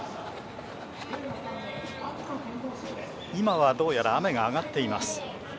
今は、どうやら雨が上がっています。